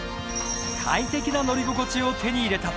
快適な乗り心地を手に入れた。